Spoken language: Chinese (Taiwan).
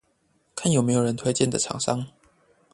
有沒有人有推薦的廠商